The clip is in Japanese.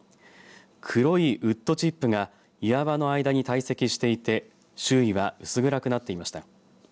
黒いウッドチップが岩場の間に堆積していて周囲は薄暗くなっていました。